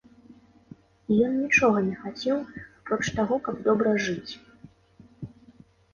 І ён нічога не хацеў, апроч таго, каб добра жыць.